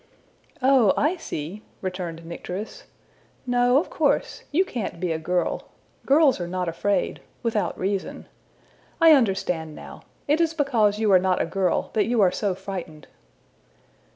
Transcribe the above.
'' ``Oh, I see!'' returned Nycteris. ``No, of course! you can't be a girl: girls are not afraid without reason. I understand now: it is because you are not a girl that you are so frightened.''